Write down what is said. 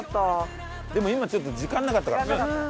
でも今ちょっと時間なかったから。